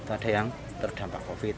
ada yang terdampak covid sembilan belas